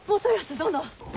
殿！